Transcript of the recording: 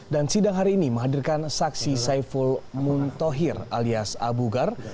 dan sidang hari ini menghadirkan saksi saiful muntohir alias abu gar